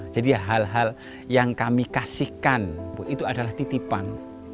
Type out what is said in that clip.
jadi hal hal yang kami kasihkan itu adalah titipan